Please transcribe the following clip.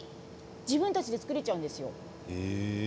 自分たちで作れてしまうんですよ。